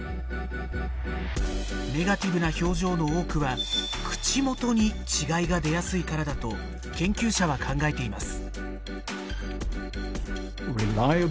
ネガティブな表情の多くは口元に違いが出やすいからだと研究者は考えています。